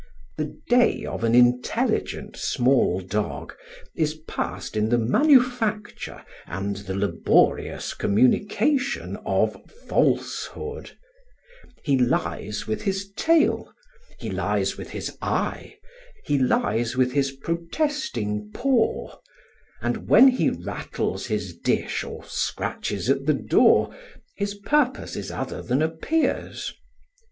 The day of an intelligent small dog is passed in the manufacture and the laborious communication of falsehood; he lies with his tail, he lies with his eye, he lies with his protesting paw; and when he rattles his dish or scratches at the door his purpose is other than appears.